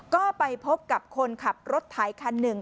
ก็ไปพบกับคนขับรถไถคันหนึ่ง